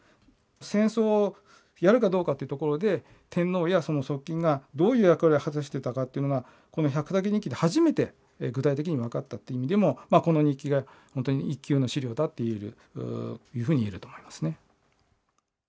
戦争をやるかどうかというところで天皇やその側近がどういう役割を果たしていたかというのがこの「百武日記」で初めて具体的に分かったっていう意味でもこの日記が本当に一級の資料だって言えるっていうふうに言えると思いますね。